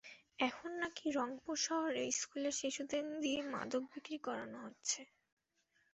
এখন নাকি রংপুর শহরে স্কুলের শিশুদের দিয়ে মাদক বিক্রি করানো হচ্ছে।